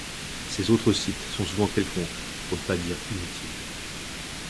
Ces autres sites sont souvent quelconques, pour ne pas dire inutiles.